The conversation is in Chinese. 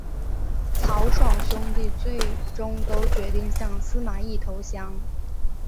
曹爽兄弟最终都决定向司马懿投降。